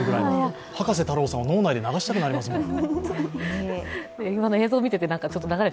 葉加瀬太郎さんを脳内で流したくなりますね。